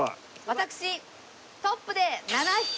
私トップで７匹！